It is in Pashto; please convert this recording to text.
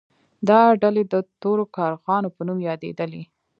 دا ډلې د تورو کارغانو په نوم یادیدلې.